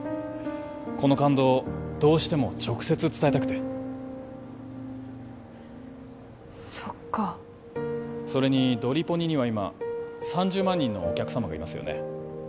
この感動をどうしても直接伝えたくてそっかそれにドリポニには今３０万人のお客様がいますよね？